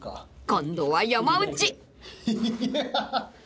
［今度は山内］